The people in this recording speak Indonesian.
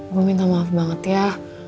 gue minta maaf banget ya